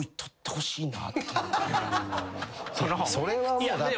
それはもうだって。